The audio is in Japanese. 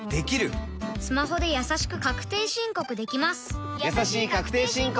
スマホでやさしく確定申告できます